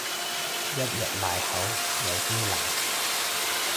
一日埋口有啲難